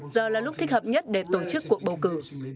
giờ là lúc thích hợp nhất để tổ chức cuộc bầu cử